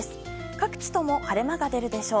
各地とも晴れ間が出るでしょう。